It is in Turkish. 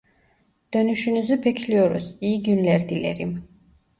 Dönüşünüzü bekliyoruz , iyi günler dilerim